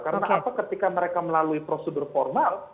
karena apa ketika mereka melalui prosedur formal